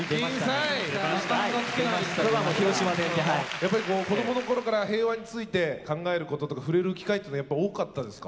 やっぱり子どもの頃から平和について考えることとか触れる機会っていうのはやっぱ多かったですか？